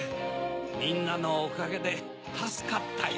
みんなのおかげでたすかったよ。